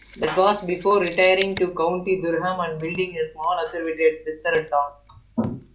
That was before retiring to County Durham and building a small observatory at Westerton.